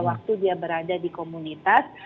waktu dia berada di komunitas